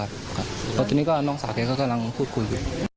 ตอนนี้น้องสาวแกก็กำลังคุย